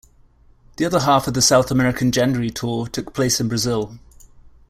The other half of the South American January tour took place in Brazil.